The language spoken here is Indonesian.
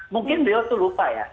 mungkin dia itu lupa ya